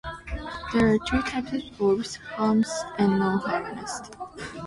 There are two types of orbs, harnessed and non-harnessed.